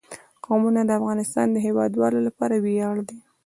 قومونه د افغانستان د هیوادوالو لپاره ویاړ دی.